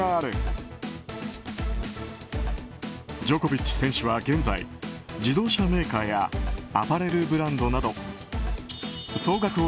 ジョコビッチ選手は現在自動車メーカーやアパレルブランドなど総額